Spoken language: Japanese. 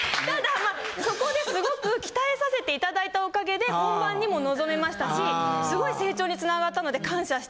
ただそこですごく鍛えさせていただいたおかげで本番にも臨めましたしすごい成長に繋がったので。